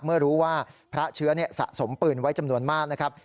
เมื่อรู้ว่าพระเชื้อสะสมปืนไว้จำนวนมากนะครับ